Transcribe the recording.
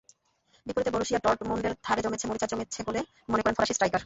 বিপরীতে বরুসিয়া ডর্টমুন্ডের ধারে জমেছে মরিচা জমেছে বলে মনে করেন ফরাসি স্ট্রাইকার।